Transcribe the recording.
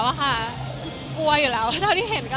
ใช่ประมาณนั้นแหละ